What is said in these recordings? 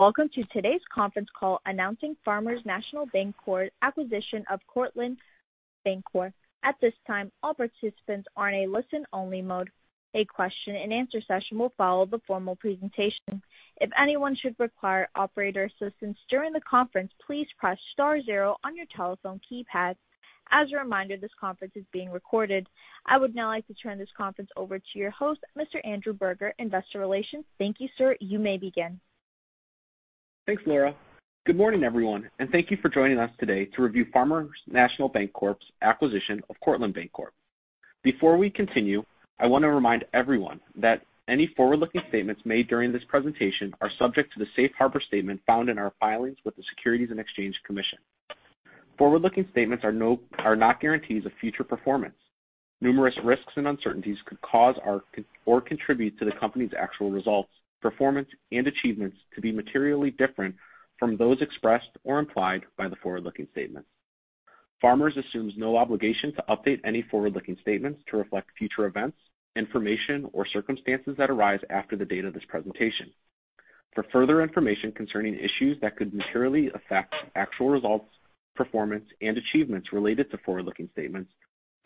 Welcome to today's conference call announcing Farmers National Banc Corp.'s acquisition of Cortland Bancorp. At this time, all participants are in listen only mode. A question and answer session will follow the formal presentation. If anyone should require operator assistance during the conference, please press star zero on your telephone keypads. As a reminder, this conference is being recorded. I would now like to turn this conference over to your host, Mr. Andrew Berger, investor relations. Thank you, sir. You may begin. Thanks, Laura. Good morning, everyone, and thank you for joining us today to review Farmers National Banc Corp.'s acquisition of Cortland Bancorp. Before we continue, I want to remind everyone that any forward-looking statements made during this presentation are subject to the safe harbor statement found in our filings with the Securities and Exchange Commission. Forward-looking statements are not guarantees of future performance. Numerous risks and uncertainties could cause or contribute to the company's actual results, performance, and achievements to be materially different from those expressed or implied by the forward-looking statements. Farmers assumes no obligation to update any forward-looking statements to reflect future events, information, or circumstances that arise after the date of this presentation. For further information concerning issues that could materially affect actual results, performance, achievements related to forward-looking statements,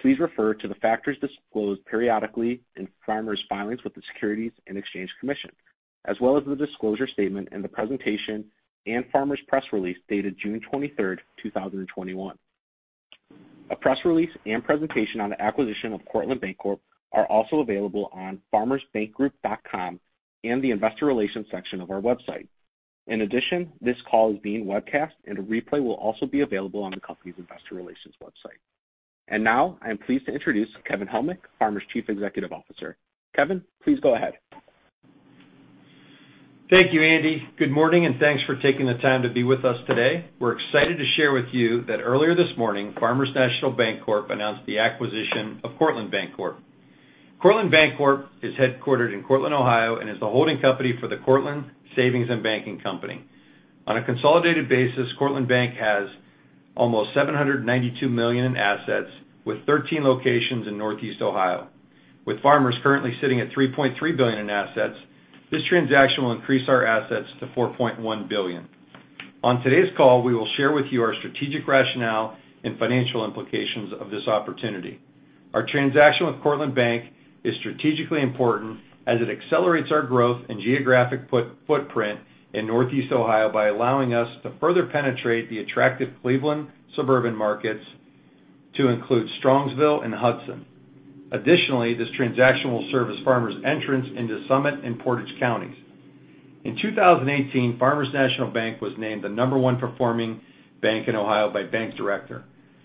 please refer to the factors disclosed periodically in Farmers' filings with the Securities and Exchange Commission, as well as the disclosure statement in the presentation and Farmers' press release dated June 23rd, 2021. A press release and presentation on the acquisition of Cortland Bancorp are also available on farmersbankgroup.com and the investor relations section of our website. In addition, this call is being webcast and a replay will also be available on the company's investor relations website. Now I'm pleased to introduce Kevin Helmick, Farmers' Chief Executive Officer. Kevin, please go ahead. Thank you, Andy. Good morning, and thanks for taking the time to be with us today. We're excited to share with you that earlier this morning, Farmers National Banc Corp. announced the acquisition of Cortland Bancorp. Cortland Bancorp is headquartered in Cortland, Ohio, and is the holding company for The Cortland Savings and Banking Company. On a consolidated basis, Cortland Bank has almost $792 million in assets with 13 locations in Northeast Ohio. With Farmers currently sitting at $3.3 billion in assets, this transaction will increase our assets to $4.1 billion. On today's call, we will share with you our strategic rationale and financial implications of this opportunity. Our transaction with Cortland Bank is strategically important as it accelerates our growth and geographic footprint in Northeast Ohio by allowing us to further penetrate the attractive Cleveland suburban markets to include Strongsville and Hudson. Additionally, this transaction will serve as Farmers' entrance into Summit and Portage counties. In 2018, Farmers National Bank was named the number one performing bank in Ohio by Bank Director.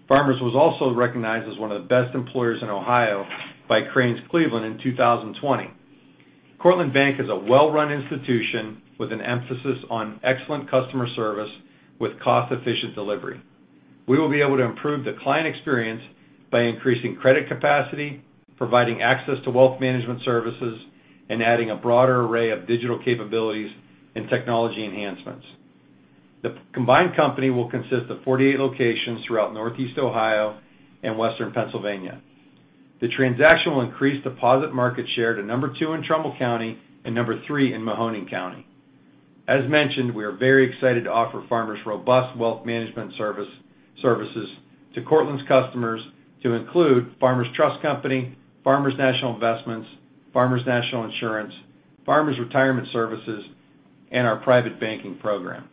Farmers was also recognized as one of the best employers in Ohio by Crain's Cleveland in 2020. Cortland Bank is a well-run institution with an emphasis on excellent customer service with cost-efficient delivery. We will be able to improve the client experience by increasing credit capacity, providing access to wealth management services, and adding a broader array of digital capabilities and technology enhancements. The combined company will consist of 48 locations throughout Northeast Ohio and Western Pennsylvania. The transaction will increase deposit market share to number two in Trumbull County and number three in Mahoning County. As mentioned, we are very excited to offer Farmers' robust wealth management services to Cortland's customers to include Farmers Trust Company, Farmers National Investments, Farmers National Insurance, Farmers Retirement Services, and our private banking program.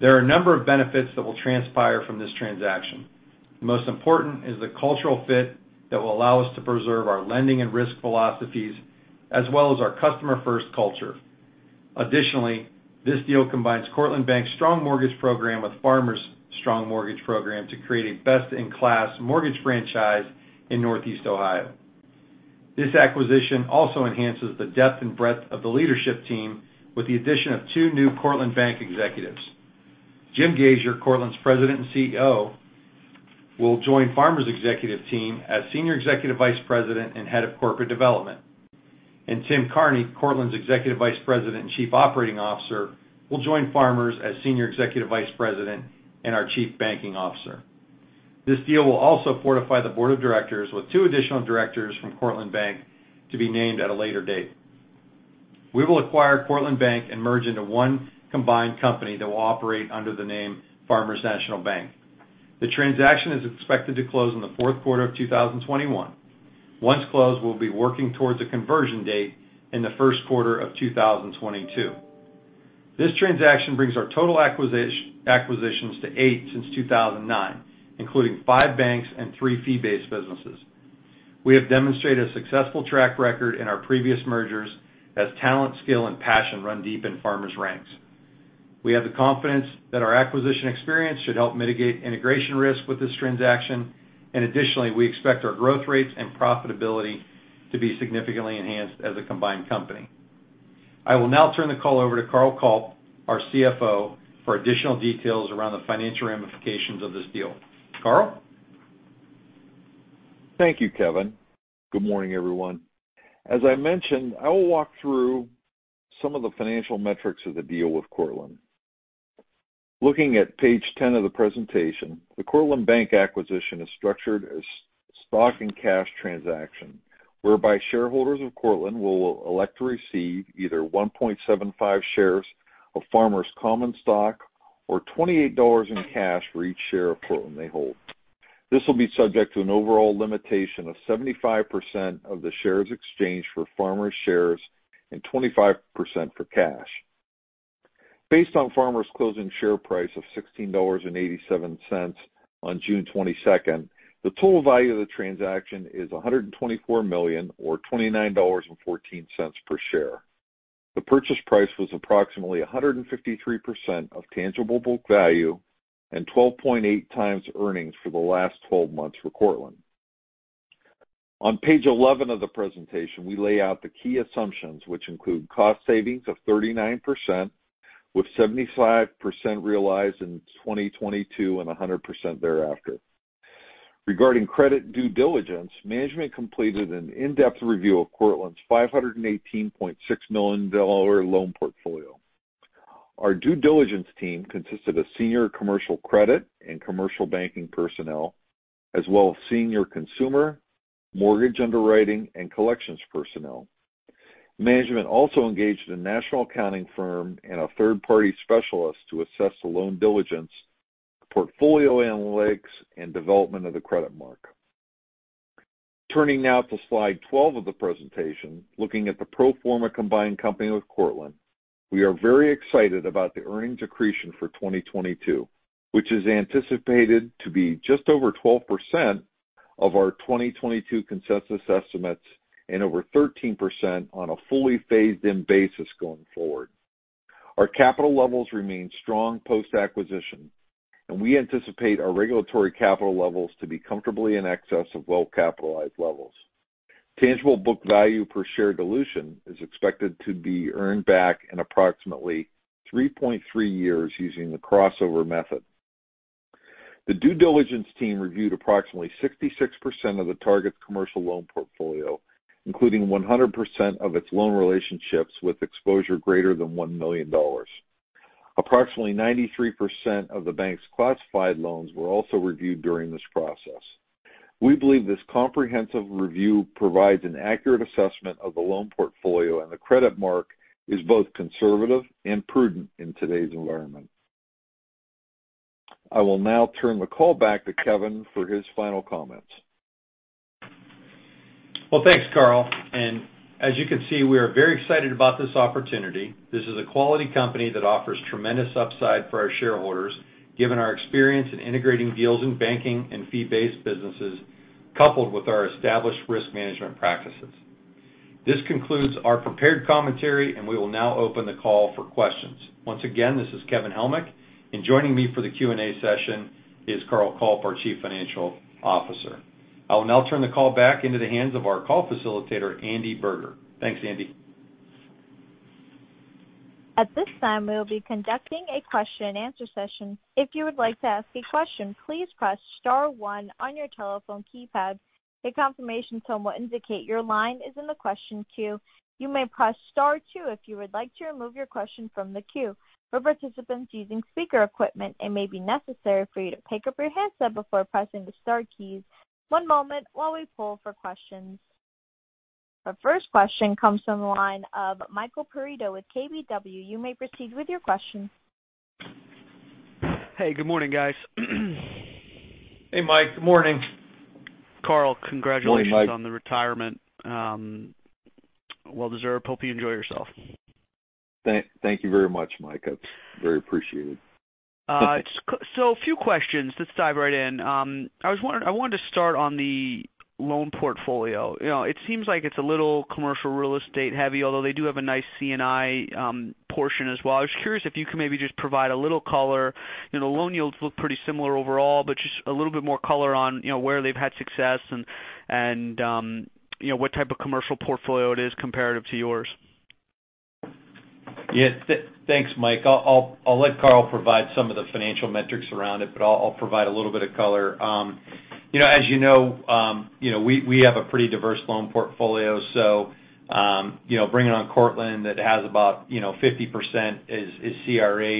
There are a number of benefits that will transpire from this transaction. The most important is the cultural fit that will allow us to preserve our lending and risk philosophies, as well as our customer-first culture. This deal combines Cortland Bank's strong mortgage program with Farmers' strong mortgage program to create a best-in-class mortgage franchise in Northeast Ohio. This acquisition also enhances the depth and breadth of the leadership team with the addition of two new Cortland Bank executives. James Gasior, Cortland's President and CEO, will join Farmers' executive team as Senior Executive Vice President and Head of Corporate Development. Timothy Carney, Cortland's Executive Vice President and Chief Operating Officer, will join Farmers as Senior Executive Vice President and our Chief Banking Officer. This deal will also fortify the board of directors with two additional directors from Cortland Bank to be named at a later date. We will acquire Cortland Bank and merge into one combined company that will operate under the name Farmers National Bank. The transaction is expected to close in the fourth quarter of 2021. Once closed, we'll be working towards a conversion date in the first quarter of 2022. This transaction brings our total acquisitions to eight since 2009, including five banks and three fee-based businesses. We have demonstrated a successful track record in our previous mergers as talent, skill, and passion run deep in Farmers' ranks. We have the confidence that our acquisition experience should help mitigate integration risk with this transaction. Additionally, we expect our growth rates and profitability to be significantly enhanced as a combined company. I will now turn the call over to Carl Culp, our CFO, for additional details around the financial ramifications of this deal. Carl? Thank you, Kevin. Good morning, everyone. As I mentioned, I will walk through some of the financial metrics of the deal with Cortland. Looking at page 10 of the presentation, the Cortland Bank acquisition is structured as a stock and cash transaction, whereby shareholders of Cortland will elect to receive either 1.75 shares of Farmers common stock or $28 in cash for each share of Cortland they hold. This will be subject to an overall limitation of 75% of the shares exchanged for Farmers shares and 25% for cash. Based on Farmers' closing share price of $16.87 on June 22nd, the total value of the transaction is $124 million, or $29.14 per share. The purchase price was approximately 153% of tangible book value and 12.8 times earnings for the last 12 months for Cortland. On page 11 of the presentation, we lay out the key assumptions, which include cost savings of 39%, with 75% realized in 2022 and 100% thereafter. Regarding credit due diligence, management completed an in-depth review of Cortland's $518.6 million loan portfolio. Our due diligence team consisted of senior commercial credit and commercial banking personnel, as well as senior consumer mortgage underwriting and collections personnel. Management also engaged a national accounting firm and a third-party specialist to assess the loan diligence, portfolio analytics, and development of the credit mark. Turning now to slide 12 of the presentation, looking at the pro forma combined company with Cortland, we are very excited about the earnings accretion for 2022, which is anticipated to be just over 12% of our 2022 consensus estimates and over 13% on a fully phased-in basis going forward. Our capital levels remain strong post-acquisition, and we anticipate our regulatory capital levels to be comfortably in excess of well-capitalized levels. Tangible book value per share dilution is expected to be earned back in approximately 3.3 years using the crossover method. The due diligence team reviewed approximately 66% of the target commercial loan portfolio, including 100% of its loan relationships with exposure greater than $1 million. Approximately 93% of the bank's classified loans were also reviewed during this process. We believe this comprehensive review provides an accurate assessment of the loan portfolio, and the credit mark is both conservative and prudent in today's environment. I will now turn the call back to Kevin for his final comments. Well, thanks, Carl. As you can see, we are very excited about this opportunity. This is a quality company that offers tremendous upside for our shareholders, given our experience in integrating deals in banking and fee-based businesses, coupled with our established risk management practices. This concludes our prepared commentary, and we will now open the call for questions. Once again, this is Kevin Helmick, and joining me for the Q&A session is Carl Culp, our Chief Financial Officer. I will now turn the call back into the hands of our call facilitator, Andy Berger. Thanks, Andy. Conducting a question and answer session. If you would like to ask a question, please press star one on your telephone keypad. A confirmation tone will indicate your line is in the question queue. You may press star two if you would like to remove your question from the queue. For participants using speaker equipment, it may be necessary to pick up your handset before pressing the star key. One moment while we pull for questions. The first question comes from the line of Michael Perito with KBW. You may proceed with your question. Hey, good morning, guys. Hey, Mike. Good morning. Carl, congratulations. Morning, Mike. on the retirement. Well deserved. Hope you enjoy yourself. Thank you very much, Mike. That's very appreciated. A few questions. Let's dive right in. I wanted to start on the loan portfolio. It seems like it's a little commercial real estate heavy, although they do have a nice C&I portion as well. I was curious if you could maybe just provide a little color. The loan yields look pretty similar overall, but just a little bit more color on where they've had success and what type of commercial portfolio it is comparative to yours. Yeah. Thanks, Mike. I'll let Carl provide some of the financial metrics around it, but I'll provide a little bit of color. As you know we have a pretty diverse loan portfolio, so bringing on Cortland that has about 50% as CRE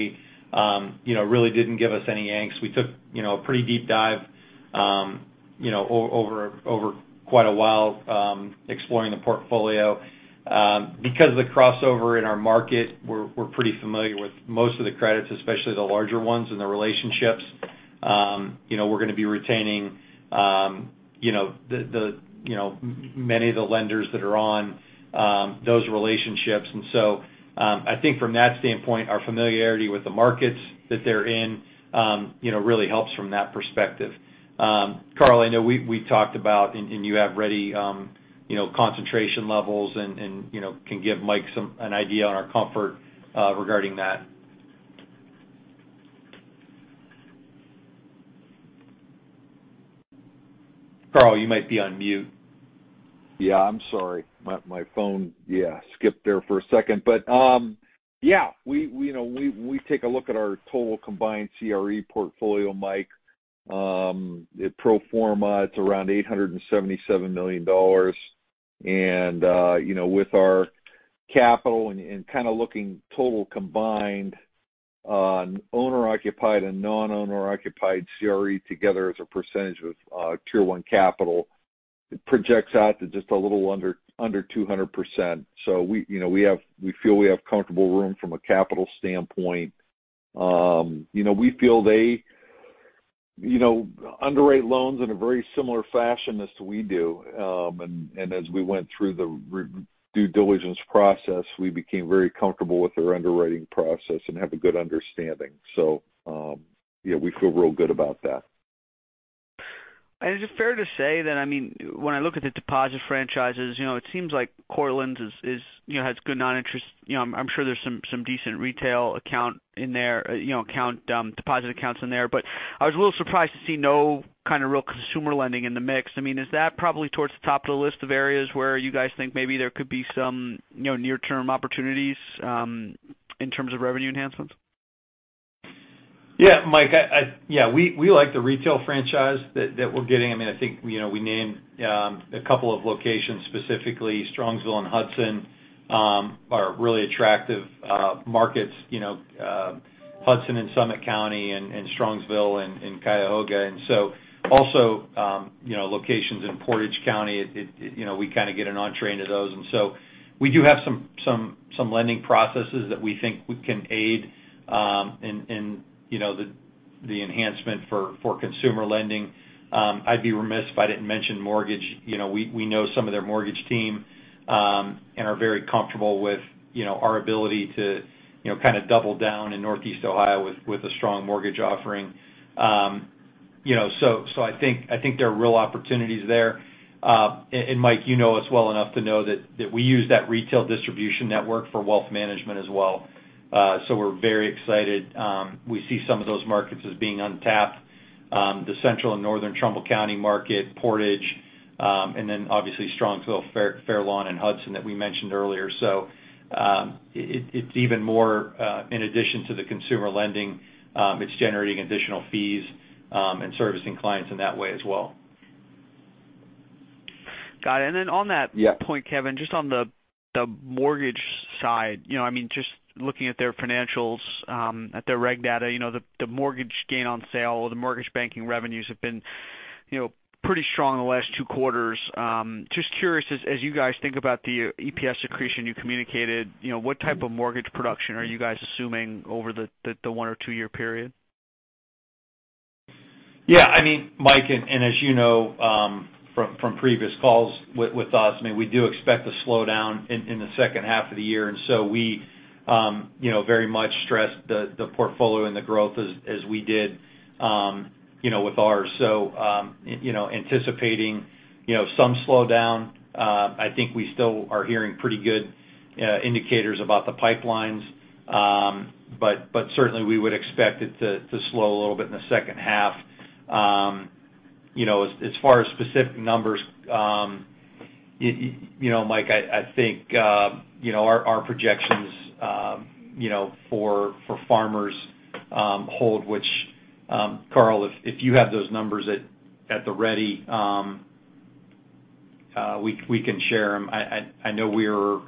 really didn't give us any angst. We took a pretty deep dive over quite a while exploring the portfolio. Because of the crossover in our market, we're pretty familiar with most of the credits, especially the larger ones and the relationships. We're going to be retaining many of the lenders that are on those relationships. I think from that standpoint, our familiarity with the markets that they're in really helps from that perspective. Carl, I know we talked about, and you have ready concentration levels and can give Mike an idea on our comfort regarding that. Carl, you might be on mute. Yeah, I'm sorry. My phone, yeah, skipped there for a second. Yeah, when we take a look at our total combined CRE portfolio, Mike, pro forma, it's around $877 million. with our Looking total combined owner-occupied and non-owner occupied CRE together as a percentage of Tier 1 capital, it projects out to just a little under 200%. We feel we have comfortable room from a capital standpoint. We feel they underwrite loans in a very similar fashion as we do. As we went through the due diligence process, we became very comfortable with their underwriting process and have a good understanding. Yeah, we feel real good about that. Is it fair to say that, when I look at the deposit franchises, it seems like Cortland has good non-interest, I'm sure there's some decent retail account in there, deposit accounts in there, but I was a little surprised to see no real consumer lending in the mix. Is that probably towards the top of the list of areas where you guys think maybe there could be some near-term opportunities, in terms of revenue enhancements? Yeah, Mike, we like the retail franchise that we're getting. I think, we named two locations, specifically Strongsville and Hudson, are really attractive markets. Hudson in Summit County and Strongsville in Cuyahoga. Also, locations in Portage County, we get an entree into those. We do have some lending processes that we think we can aid in the enhancement for consumer lending. I'd be remiss if I didn't mention mortgage. We know some of their mortgage team, and are very comfortable with our ability to double down in Northeast Ohio with a strong mortgage offering. I think there are real opportunities there. Mike, you know us well enough to know that we use that retail distribution network for wealth management as well. We're very excited. We see some of those markets as being untapped. The Central and Northern Trumbull County market, Portage, and then obviously Strongsville, Fairlawn, and Hudson that we mentioned earlier. It's even more in addition to the consumer lending, it's generating additional fees, and servicing clients in that way as well. Got it. Yeah. Point, Kevin, just on the mortgage side, just looking at their financials, at their reg data, the mortgage gain on sale, the mortgage banking revenues have been pretty strong the last two quarters. Just curious, as you guys think about the EPS accretion you communicated, what type of mortgage production are you guys assuming over the one or two-year period? Yeah, Mike, as you know from previous calls with us, we do expect a slowdown in the second half of the year. We very much stressed the portfolio and the growth as we did with ours. Anticipating some slowdown, I think we still are hearing pretty good indicators about the pipelines. Certainly we would expect it to slow a little bit in the second half. As far as specific numbers, Mike, I think our projections for Farmers hold, which, Carl, if you have those numbers at the ready, we can share them. I know we were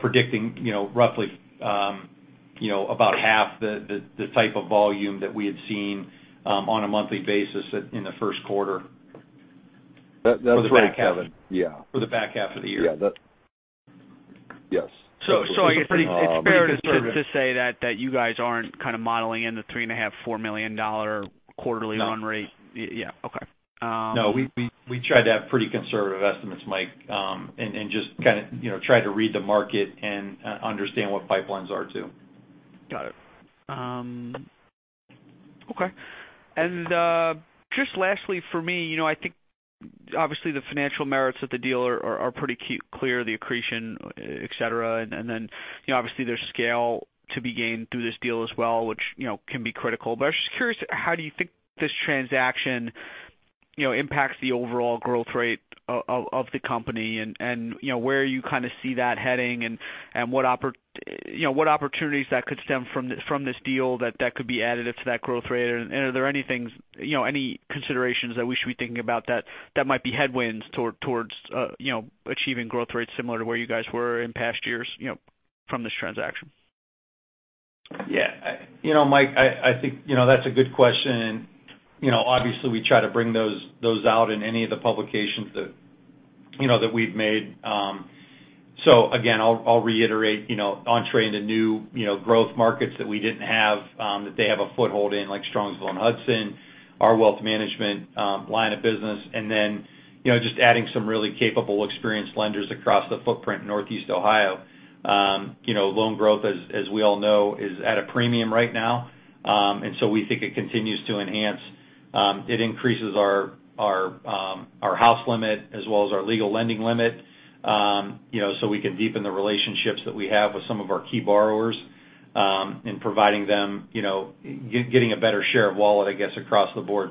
predicting roughly about half the type of volume that we had seen on a monthly basis in the first quarter. That's right, Kevin. Yeah. For the back half of the year. Yeah. That Yes. I guess it's fair to say that you guys aren't modeling in the $3.5 million-$4 million quarterly run rate. No. Yeah. Okay. No, we try to have pretty conservative estimates, Mike. Just try to read the market and understand what pipelines are too. Got it. Okay. Just lastly for me, I think obviously the financial merits of the deal are pretty clear, the accretion, et cetera. Obviously there's scale to be gained through this deal as well, which can be critical. I was just curious, how do you think this transaction impacts the overall growth rate of the company and where you see that heading and what opportunities that could stem from this deal that could be added to that growth rate? Are there any considerations that we should be thinking about that might be headwinds towards achieving growth rates similar to where you guys were in past years from this transaction? Yeah. Mike, I think that's a good question. Obviously we try to bring those out in any of the publications that we've made. Again, I'll reiterate, entree into new growth markets that we didn't have, that they have a foothold in, like Strongsville and Hudson, our wealth management line of business. Just adding some really capable, experienced lenders across the footprint, Northeast Ohio. Loan growth, as we all know, is at a premium right now. We think it continues to enhance. It increases our house limit as well as our legal lending limit, so we can deepen the relationships that we have with some of our key borrowers, in providing them, getting a better share of wallet, I guess, across the board.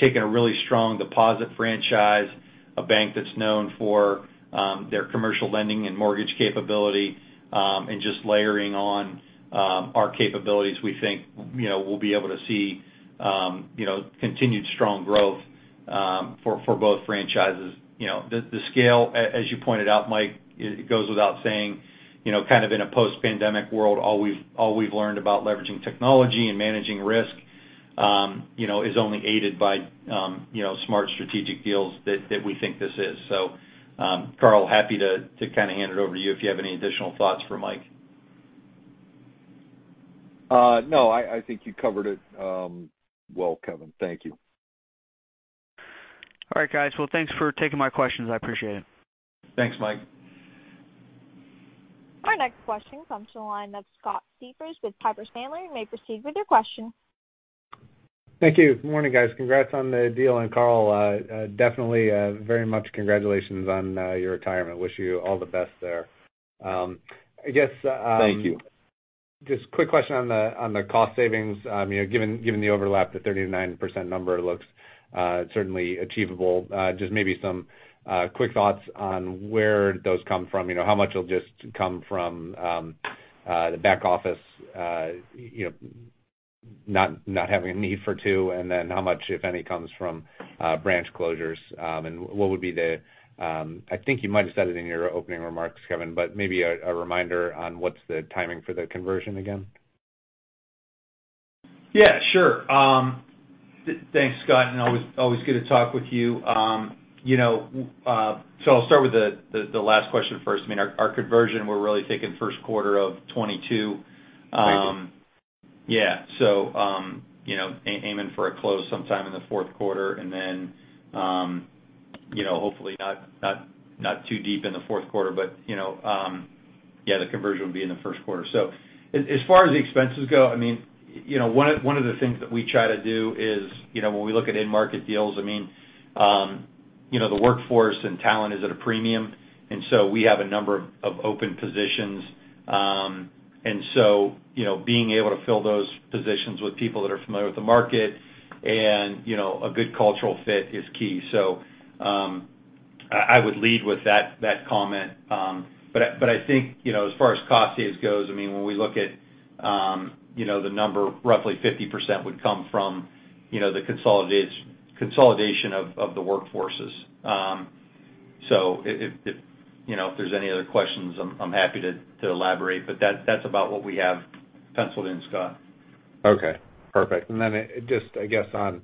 Taking a really strong deposit franchise, a bank that's known for their commercial lending and mortgage capability, and just layering on our capabilities, we think we'll be able to see continued strong growth for both franchises. The scale, as you pointed out, Mike, it goes without saying, in a post-pandemic world, all we've learned about leveraging technology and managing risk is only aided by smart strategic deals that we think this is. Carl, happy to hand it over to you if you have any additional thoughts for Mike. No, I think you covered it well, Kevin. Thank you. All right, guys. Well, thanks for taking my questions. I appreciate it. Thanks, Mike. Our next question comes from the line of Scott Siefers with Piper Sandler. You may proceed with your question. Thank you. Morning, guys. Congrats on the deal, Carl, definitely very much congratulations on your retirement. Wish you all the best there. Thank you. A quick question on the cost savings. Given the overlap, the 39% number looks certainly achievable. Maybe some quick thoughts on where those come from, how much will just come from the back office not having a need for two, and then how much, if any, comes from branch closures. I think you might've said it in your opening remarks, Kevin, maybe a reminder on what's the timing for the conversion again? Yeah, sure. Thanks, Scott, Always good to talk with you. I'll start with the last question first. Our conversion, we're really thinking first quarter of 2022. Amazing. Yeah. Aiming for a close sometime in the fourth quarter and then hopefully not too deep in the fourth quarter. The conversion will be in the first quarter. As far as the expenses go, one of the things that we try to do is when we look at in-market deals, the workforce and talent is at a premium, and so we have a number of open positions. Being able to fill those positions with people that are familiar with the market and a good cultural fit is key. I would lead with that comment. I think as far as cost saves goes, when we look at the number, roughly 50% would come from the consolidation of the workforces. If there's any other questions, I'm happy to elaborate, but that's about what we have penciled in, Scott. Okay, perfect. Just I guess on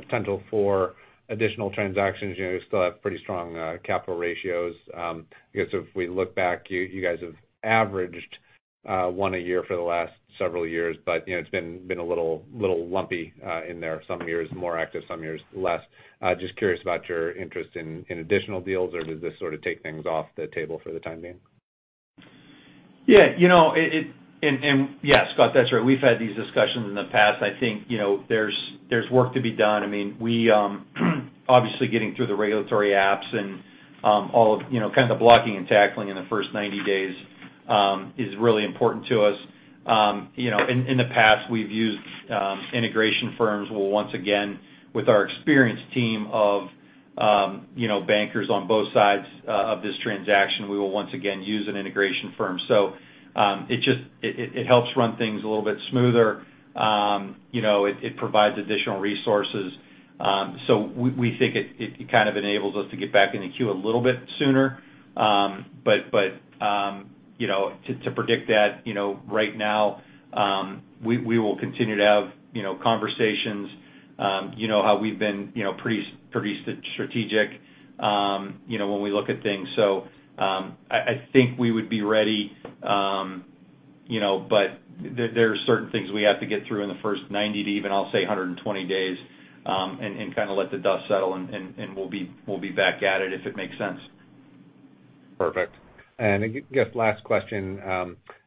potential for additional transactions, you still have pretty strong capital ratios. I guess if we look back, you guys have averaged one a year for the last several years, but it's been a little lumpy in there. Some years more active, some years less. Just curious about your interest in additional deals, or does this sort of take things off the table for the time being? Scott, that's right. We've had these discussions in the past. I think there's work to be done. Obviously getting through the regulatory apps and all the blocking and tackling in the first 90 days is really important to us. In the past, we've used integration firms. We'll once again, with our experienced team of bankers on both sides of this transaction, we will once again use an integration firm. It helps run things a little bit smoother. It provides additional resources. We think it kind of enables us to get back in the queue a little bit sooner. To predict that right now, we will continue to have conversations, how we've been pretty strategic when we look at things. I think we would be ready, but there are certain things we have to get through in the first 90 to even, I'll say, 120 days, and kind of let the dust settle, and we'll be back at it if it makes sense. Perfect. I guess last question.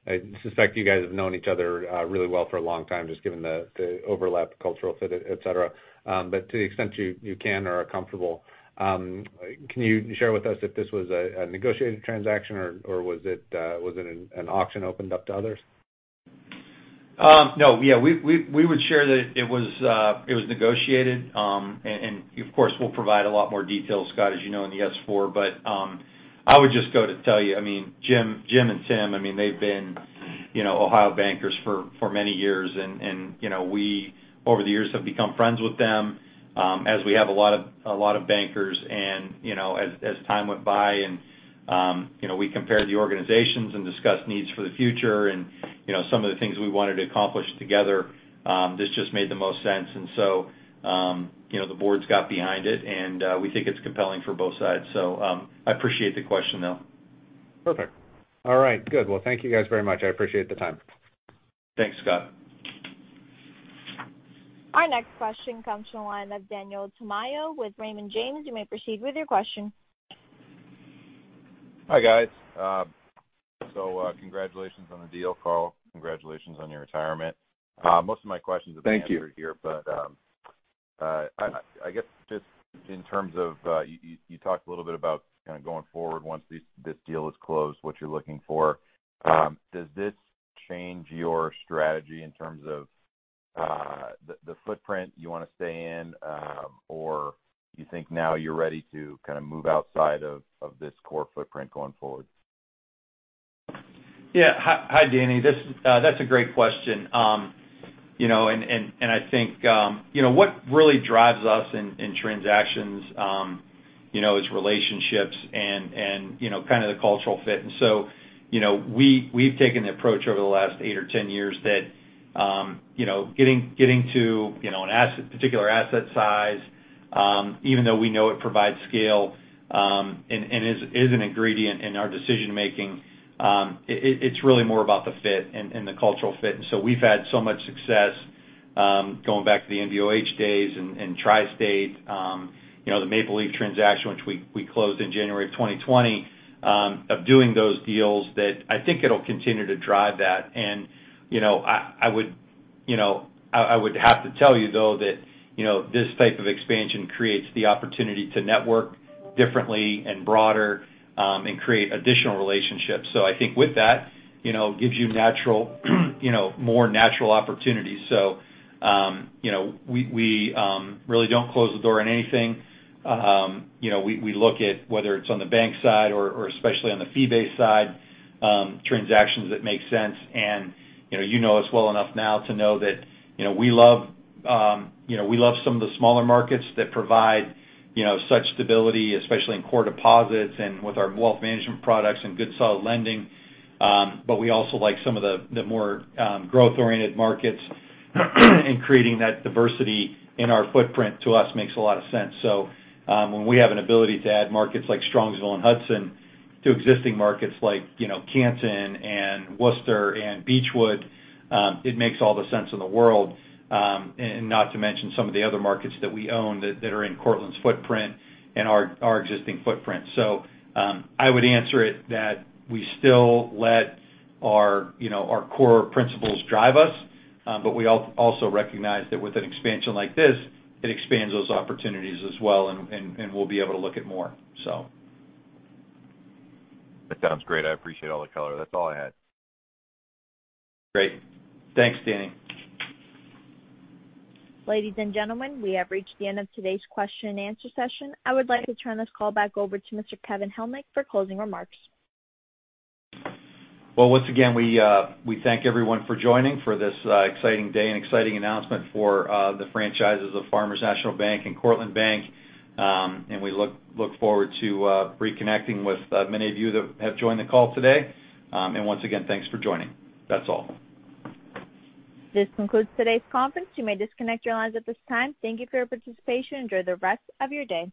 I suspect you guys have known each other really well for a long time, just given the overlap, cultural fit, et cetera. To the extent you can or are comfortable, can you share with us if this was a negotiated transaction, or was it an auction opened up to others? No. Yeah, we would share that it was negotiated, and of course, we'll provide a lot more details, Scott, as you know, in the S-4. I would just go to tell you, Jim and Tim, they've been Ohio bankers for many years, and we over the years have become friends with them, as we have a lot of bankers. As time went by and we compared the organizations and discussed needs for the future and some of the things we wanted to accomplish together, this just made the most sense. The boards got behind it, and we think it's compelling for both sides. I appreciate the question, though. Perfect. All right, good. Well, thank you guys very much. I appreciate the time. Thanks, Scott. Our next question comes from the line of Daniel Tamayo with Raymond James. You may proceed with your question. Hi, guys. Congratulations on the deal. Carl, congratulations on your retirement. Thank you. answered here. I guess just in terms of, you talked a little bit about going forward once this deal is closed, what you're looking for. Does this change your strategy in terms of the footprint you want to stay in? Do you think now you're ready to move outside of this core footprint going forward? Yeah. Hi, Daniel. That's a great question. What really drives us in transactions. Its relationships and kind of the cultural fit. We've taken the approach over the last eight or 10 years that getting to a particular asset size, even though we know it provides scale, and is an ingredient in our decision-making, it's really more about the fit and the cultural fit. We've had so much success, going back to the NBOH days and Tri-State, the Maple Leaf transaction, which we closed in January of 2020, of doing those deals that I think it'll continue to drive that. I would have to tell you though, that this type of expansion creates the opportunity to network differently and broader, and create additional relationships. I think with that, it gives you more natural opportunities. We really don't close the door on anything. We look at whether it's on the bank side or especially on the fee-based side, transactions that make sense. You know us well enough now to know that we love some of the smaller markets that provide such stability, especially in core deposits and with our wealth management products and good solid lending. We also like some of the more growth-oriented markets and creating that diversity in our footprint to us makes a lot of sense. When we have an ability to add markets like Strongsville and Hudson to existing markets like Canton and Wooster and Beachwood, it makes all the sense in the world. Not to mention some of the other markets that we own that are in Cortland's footprint and our existing footprint. I would answer it that we still let our core principles drive us. We also recognize that with an expansion like this, it expands those opportunities as well, and we'll be able to look at more. That sounds great. I appreciate all the color. That's all I had. Great. Thanks, Daniel. Ladies and gentlemen, we have reached the end of today's question and answer session. I would like to turn this call back over to Mr. Kevin Helmick for closing remarks. Well, once again, we thank everyone for joining for this exciting day and exciting announcement for the franchises of Farmers National Bank and Cortland Bank. We look forward to reconnecting with many of you that have joined the call today. Once again, thanks for joining. That's all. This concludes today's conference. You may disconnect your lines at this time. Thank you for your participation. Enjoy the rest of your day.